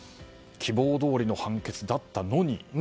希望どおりの判決だったのに？